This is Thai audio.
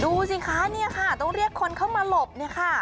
ดูสิคะเนี่ยค่ะต้องเรียกคนเข้ามาหลบเนี่ยค่ะ